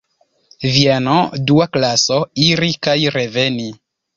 Vieno, dua klaso, iri kaj reveni.